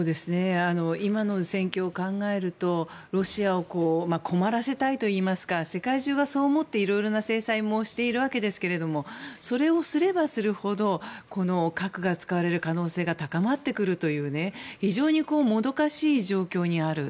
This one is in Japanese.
今の戦況を考えるとロシアを困らせたいといいますか世界中がそう思っていろいろな制裁をしているわけですがそれをすればするほど核が使われる可能性が高まってくるという非常にもどかしい状況にある。